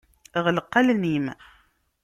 Ɣleq allen-im.